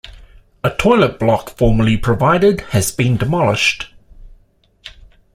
A toilet block formerly provided has been demolished.